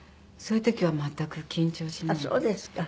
そういう時は全く緊張しないです。